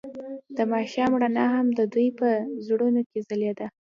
د ماښام رڼا هم د دوی په زړونو کې ځلېده.